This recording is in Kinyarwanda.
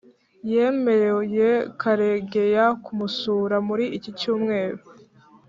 yemereye karegeya kumusura muri iki cyumweru